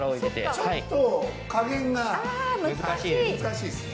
ちょっと加減が難しいですね。